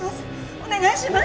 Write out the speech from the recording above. お願いします